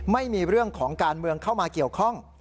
ไม่มีเรื่องของการเมืองเข้ามาเกี่ยวข้อง